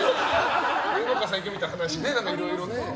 芸能界最強みたいな話いろいろね。